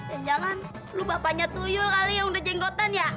ya jangan lu bapaknya tuyul kali yang udah jenggotan ya